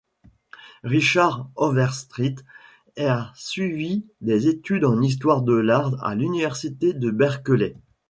Richard Overstreet a suivi des études en histoire de l’art à l’Université de Berkeley.